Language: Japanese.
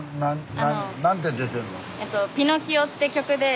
なんて出てんの？